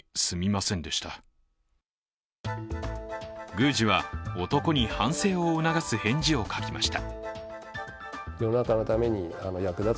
宮司は男に反省を促す返事を書きました。